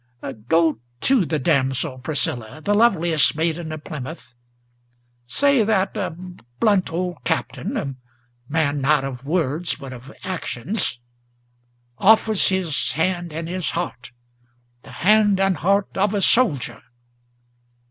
Go to the damsel Priscilla, the loveliest maiden of Plymouth, Say that a blunt old Captain, a man not of words but of actions, Offers his hand and his heart, the hand and heart of a soldier.